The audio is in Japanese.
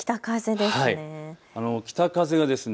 北風ですね。